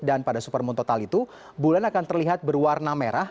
dan pada supermoon total itu bulan akan terlihat berwarna merah